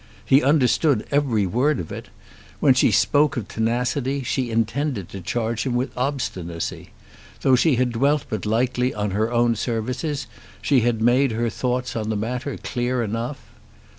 He understood every word of it. When she spoke of tenacity she intended to charge him with obstinacy. Though she had dwelt but lightly on her own services she had made her thoughts on the matter clear enough.